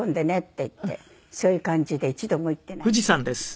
そういう感じで一度も行ってないんです。